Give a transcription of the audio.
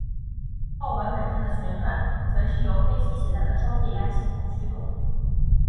炮管本身的旋转则是由飞机携带的双液压系统驱动。